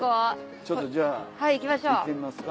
ちょっとじゃあ行ってみますか。